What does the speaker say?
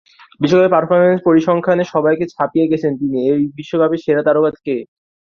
বিশ্বকাপে পারফরম্যান্সের পরিসংখ্যানে সবাইকে ছাপিয়ে গেছেন তিনি এই বিশ্বকাপের সেরা তারকা কে?